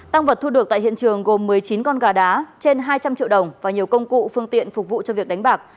tăng vật thu được tại hiện trường gồm một mươi chín con gà đá trên hai trăm linh triệu đồng và nhiều công cụ phương tiện phục vụ cho việc đánh bạc